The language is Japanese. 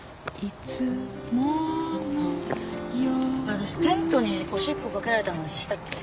私テントにおしっこかけられた話したっけ？